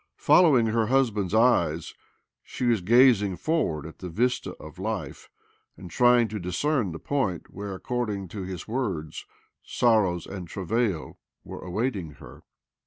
Following her husband's eyes, she was gazing forward at the vista of life, and trying to discern the point where, according to his words, ' 'sorrows and travail" were awaiting her.